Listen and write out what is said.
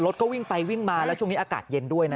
ก็วิ่งไปวิ่งมาแล้วช่วงนี้อากาศเย็นด้วยนะ